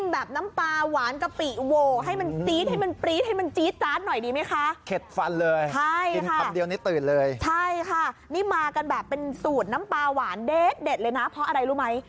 เด็ดเลยนะเพราะอะไรรู้ไหม